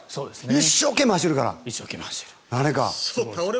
一生懸命走るから。